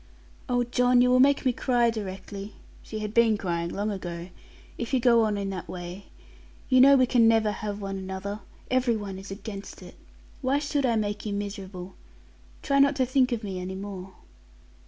'Oh, John, you will make me cry directly' she had been crying long ago 'if you go on in that way. You know we can never have one another; every one is against it. Why should I make you miserable? Try not to think of me any more.'